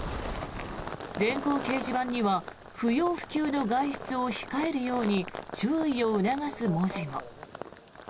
電光掲示板には不要不急の外出を控えるように注意を促す文字も。